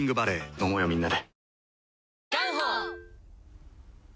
飲もうよみんなで。